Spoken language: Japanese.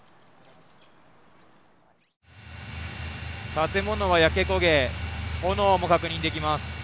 建物は焼け焦げ炎も確認できます。